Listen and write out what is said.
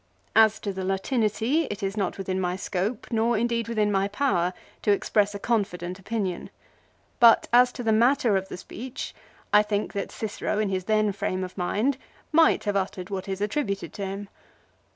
2 As to the Latinity it is not within my scope, nor indeed within my power, to express a confident opinion; but as to the matter of the speech, I think that Cicero, in his then frame of mind, might have uttered what is attributed to him.